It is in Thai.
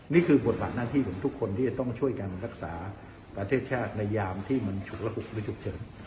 นี่คือบทบาทหน้าที่ของทุกคนที่จะต้องช่วยกันรักษาประเทศชาติในยามที่มันฉุกระบุกหรือฉุกเฉิน